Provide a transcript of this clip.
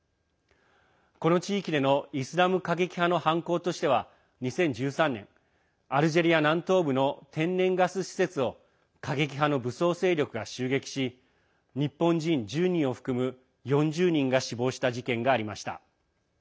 この地域でのイスラム過激派の犯行としては２０１３年アルジェリア南東部の天然ガス施設を過激派の武装勢力が襲撃し日本人１０人を含む４０人が死亡した事件がありました。